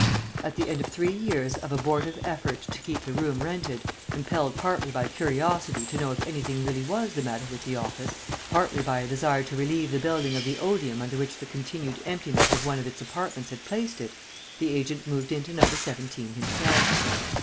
At the end of three years of abortive effort to keep the room rented, impelled partly by curiosity to know if anything really was the matter with the office, partly by a desire to relieve the building of the odium under which the continued emptiness of one of its apartments had placed it, the agent moved into Number 17 himself.